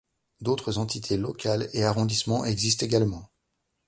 D’autres entités locales et arrondissements existent également.